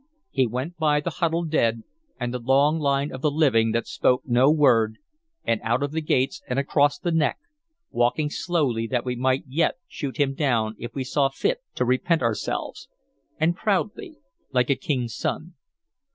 He went by the huddled dead and the long line of the living that spoke no word, and out of the gates and across the neck, walking slowly that we might yet shoot him down if we saw fit to repent ourselves, and proudly like a king's son.